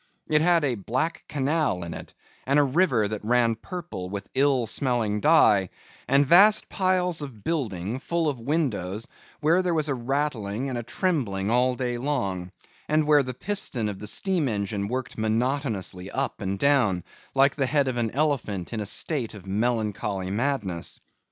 It had a black canal in it, and a river that ran purple with ill smelling dye, and vast piles of building full of windows where there was a rattling and a trembling all day long, and where the piston of the steam engine worked monotonously up and down, like the head of an elephant in a state of melancholy madness.